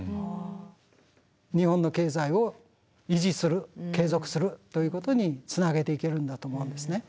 日本の経済を維持する継続するということにつなげていけるんだと思うんですね。